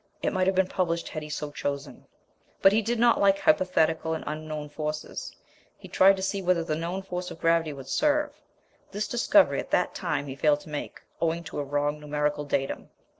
It might have been published had he so chosen. But he did not like hypothetical and unknown forces; he tried to see whether the known force of gravity would serve. This discovery at that time he failed to make, owing to a wrong numerical datum.